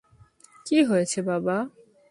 কী হয়েছে বাবা?